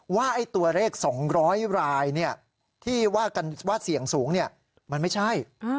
ว่าตัวเลข๒๐๐รายที่ว่ากันว่าเสี่ยงสูงมันไม่ใช่